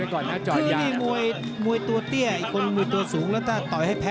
ถ้าตัวเตี้ยมีคนมีตัวสูงแล้วถอดให้แพ้